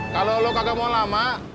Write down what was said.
kalau lo kagak mau lama